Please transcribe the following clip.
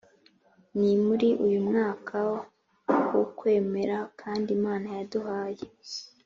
ni muri uyu mwaka w’ukwemera kandi imana yaduhaye